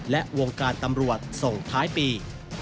และวงการตำรวจส่งท้ายปี